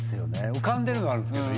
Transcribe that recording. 浮かんでるのはあるんですけど。